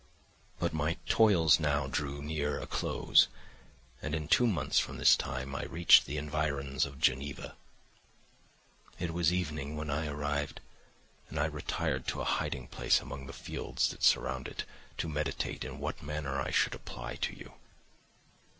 "But my toils now drew near a close, and in two months from this time I reached the environs of Geneva. "It was evening when I arrived, and I retired to a hiding place among the fields that surround it to meditate in what manner I should apply to you.